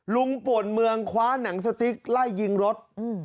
ป่วนเมืองคว้าหนังสติ๊กไล่ยิงรถ